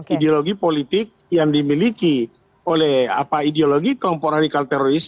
ideologi politik yang dimiliki oleh ideologi kelompok radikal teroris